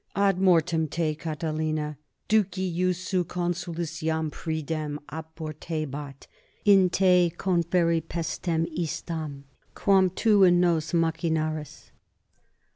Ad mortem te, Catilina, duci iussu consulis iam pridem oportebat, in te conferri pestem istam, quam tu in nos machinaris.